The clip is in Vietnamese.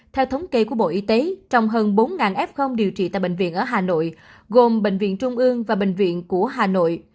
theo thống kê của bộ y tế trong hơn bốn f điều trị tại bệnh viện ở hà nội gồm bệnh viện trung ương và bệnh viện của hà nội